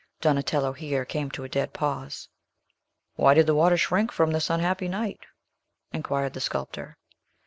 Donatello here came to a dead pause. "Why did the water shrink from this unhappy knight?" inquired the sculptor.